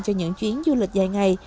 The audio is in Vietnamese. cho những chuyến du lịch dài ngày